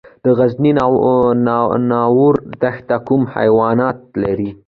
د غزني ناور دښته کوم حیوانات لري؟